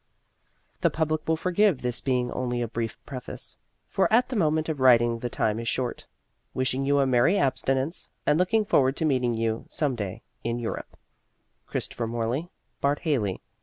The public will forgive this being only a brief preface, for at the moment of writing the time is short. Wishing you a Merry Abstinence, and looking forward to meeting you some day in Europe, CHRISTOPHER MORLEY, BART HALEY.